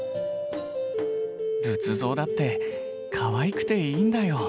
仏像だってかわいくていいんだよ。